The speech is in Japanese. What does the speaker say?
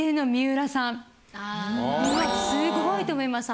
・あ・すごいと思いました。